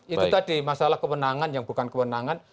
itu tadi masalah kewenangan yang bukan kewenangan